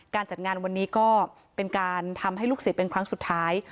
จัดงานวันนี้ก็เป็นการทำให้ลูกศิษย์เป็นครั้งสุดท้าย